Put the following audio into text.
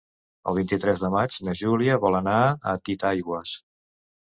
El vint-i-tres de maig na Júlia vol anar a Titaigües.